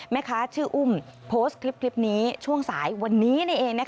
แม่ค้าชื่ออุ้มโพสต์คลิปนี้ช่วงสายวันนี้เอง